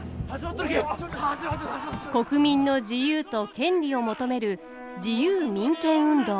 国民の自由と権利を求める自由民権運動。